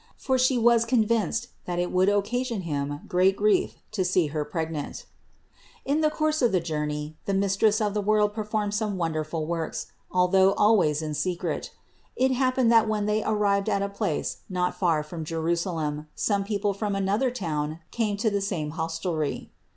For She was convinced that it would occasion him great grief to see her pregnant. 317. In the course of the journey the Mistress of the world performed some wonderful works, although always in secret. It happened that when they arrived at a place not far from Jerusalem some people from another town came to the same hostelry.